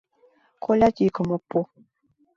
Колят йӱкым ок пу.